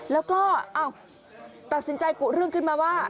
แล้วก็ตัดสินใจกุเรื่องขึ้นมาว่า